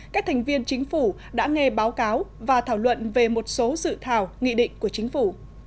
các thành viên chính phủ đã nghe báo cáo và thảo luận về một số dự thảo nghị định của chính phủ